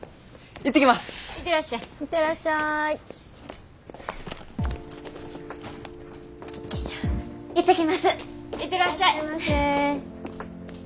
行ってらっしゃいませ。